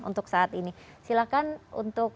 untuk saat ini silakan untuk